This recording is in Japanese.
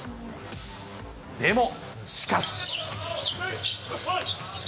でも、しかし。